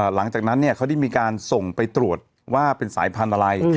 หลังจากนั้นเขาได้มีการส่งไปตรวจว่าเป็นสายพันธุ์อะไร